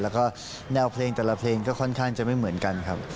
แล้วก็แนวเพลงแต่ละเพลงก็ค่อนข้างจะไม่เหมือนกันครับ